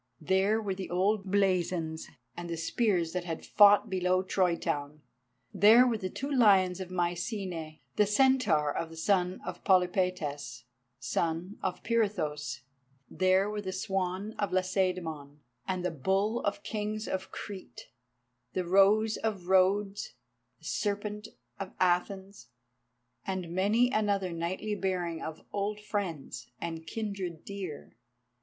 There were the old blazons, and the spears that had fought below Troy town. There were the two lions of Mycenæ, the Centaur of the son of Polypaetas, son of Pirithous; there were the Swan of Lacedæmon, and the Bull of the Kings of Crete, the Rose of Rhodes, the Serpent of Athens, and many another knightly bearing of old friends and kindred dear.